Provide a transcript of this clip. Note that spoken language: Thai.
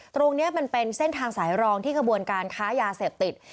ตรงนี้มันเป็นเส้นทางสายรองที่ขบวนการค้ายาเสพติด